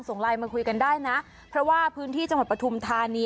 ไลน์มาคุยกันได้นะเพราะว่าพื้นที่จังหวัดปฐุมธานี